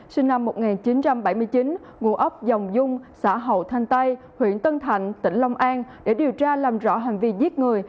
sinh năm một nghìn chín trăm bảy mươi chín ngụ ấp dòng dung xã hậu thanh tây huyện tân thạnh tỉnh long an để điều tra làm rõ hành vi giết người